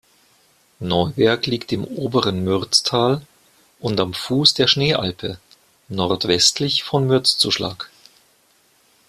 Neuberg liegt im Oberen Mürztal und am Fuß der Schneealpe nordwestlich von Mürzzuschlag.